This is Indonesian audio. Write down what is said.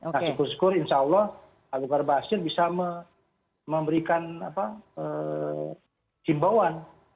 nah syukur syukur insya allah abu bakar basir bisa memberikan simbawan